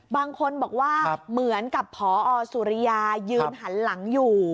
บางคนบอกว่าเหมือนกับพอสุริยายืนหันหลังอยู่